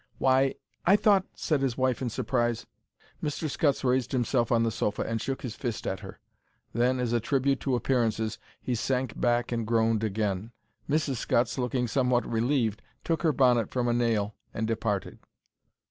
"Why, I thought—" said his wife, in surprise. Mr. Scutts raised himself on the sofa and shook his fist at her. Then, as a tribute to appearances, he sank back and groaned again. Mrs. Scutts, looking somewhat relieved, took her bonnet from a nail and departed.